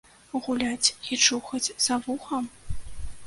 Гуляць і чухаць за вухам?